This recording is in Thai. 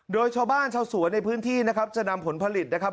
โดยชาวบ้านชาวสวนในพื้นที่นะครับจะนำผลผลิตนะครับ